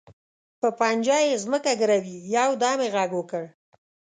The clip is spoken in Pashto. په پنجه یې ځمکه ګروي، یو دم یې غږ وکړ.